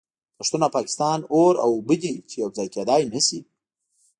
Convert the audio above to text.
پښتون او پاکستان اور او اوبه دي چې یو ځای کیدای نشي